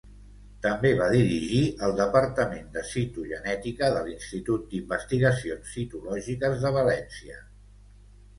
També va dirigir el Departament de Citogenètica de l'Institut d'Investigacions Citològiques de València.